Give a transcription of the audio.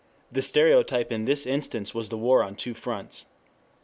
The stereotype in this instance was the war on two fronts.